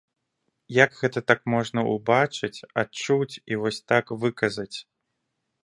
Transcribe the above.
Як гэта так можна ўбачыць, адчуць і вось так выказаць?